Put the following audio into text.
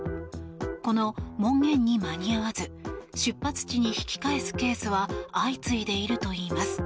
この門限に間に合わず出発地に引き返すケースは相次いでいるといいます。